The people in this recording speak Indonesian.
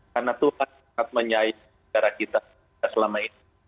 karena tuhan sangat menyayangi negara kita selama ini